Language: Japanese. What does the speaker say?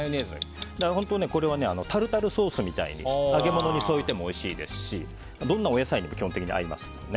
これはタルタルソースみたいに揚げ物に添えてもおいしいですしどんなお野菜にも基本的に合います。